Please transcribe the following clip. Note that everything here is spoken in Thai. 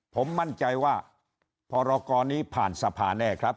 ผมมั่นใจว่าพรกรนี้ผ่านสภาแน่ครับ